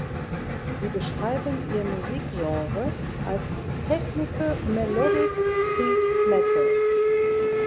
Sie beschreiben ihr Musikgenre als „Technical Melodic Speed Metal“.